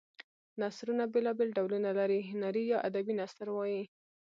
نثرونه بېلا بېل ډولونه لري هنري یا ادبي نثر وايي.